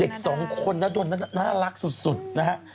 เด็กสองคนน่ารักสุดนะฮะ